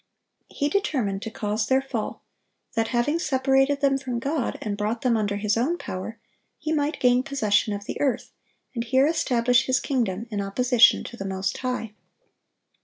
He determined to cause their fall, that, having separated them from God and brought them under his own power, he might gain possession of the earth, and here establish his kingdom, in opposition to the Most High.